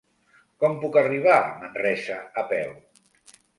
Com puc arribar a Manresa a peu?